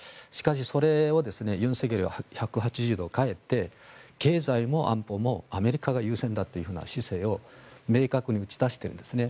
それを尹錫悦は１８０度変えて経済も安保もアメリカが優先だという姿勢を明確に打ち出しているんですね。